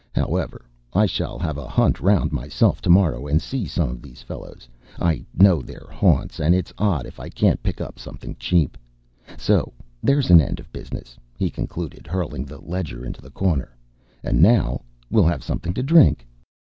However, I shall have a hunt round myself to morrow, and see some of these fellows. I know their haunts, and it's odd if I can't pick up something cheap. So there's an end of business," he concluded, hurling the ledger into the corner, "and now we'll have something to drink."